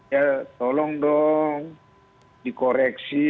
ya tolong dong dikoreksi